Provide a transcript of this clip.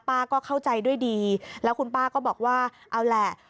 ป้าก็เข้าใจด้วยดีแล้วคุณป้าก็บอกว่าเอาแหละ